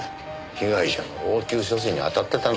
被害者の応急処置にあたってたんだろう。